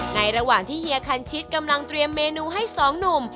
ในระหว่างที่เฮียคันชิดกำลังเตรียมเมนูให้สองหนุ่ม